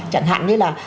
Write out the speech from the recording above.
chẳng hạn như là